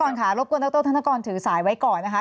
ดรธค่ะรบกวนดรธค่ะถือสายไว้ก่อนนะคะ